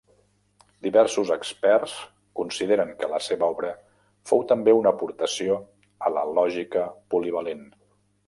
Diversos experts consideren que la seva obra fou també una aportació a la lògica polivalent.